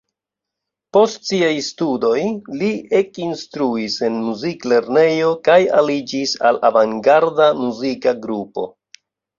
Post siaj studoj li ekinstruis en muziklernejo kaj aliĝis al avangarda muzika grupo.